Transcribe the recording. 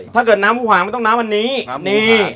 ถ้าเกิดน้ำผู้หางมันต้องน้ำวันนี้นี่